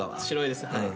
白いです。